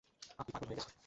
আপনি পাগল হয়ে গেছেন!